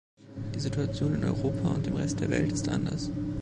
Die Situation in Europa und dem Rest der Welt ist anders.